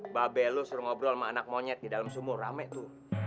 mbak be lo suruh ngobrol sama anak monyet di dalam sumur rame tuh